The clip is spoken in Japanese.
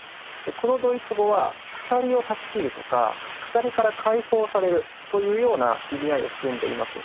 このドイツ語は「鎖を断ち切る」とか「鎖から解放される」というような意味合いを含んでいます。